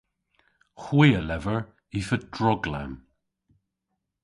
Hwi a lever y feu droglamm.